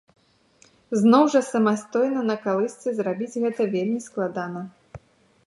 Зноў жа самастойна на калысцы зрабіць гэта вельмі складана.